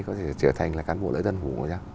có thể trở thành là cán bộ lễ tân hủ